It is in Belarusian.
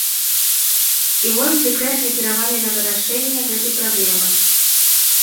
І вось, дэкрэт накіраваны на вырашэнне гэтай праблемы.